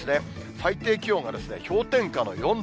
最低気温が氷点下の４度。